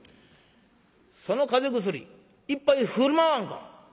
その風邪薬一杯振る舞わんか」。